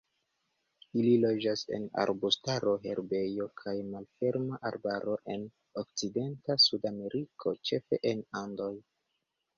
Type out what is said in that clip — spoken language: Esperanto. Ili loĝas en arbustaro, herbejo kaj malferma arbaro en okcidenta Sudameriko, ĉefe en Andoj.